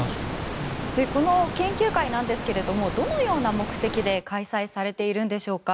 この研究会なんですがどのような目的で開催されているんでしょうか。